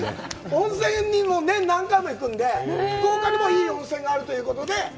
温泉に年に何回も行くんで、福岡にもいい温泉があるということで。